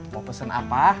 mau pesen apa